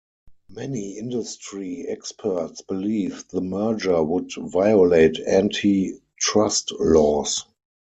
Many industry experts believe the merger would violate anti-trust laws.